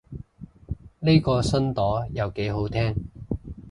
呢個新朵又幾好聽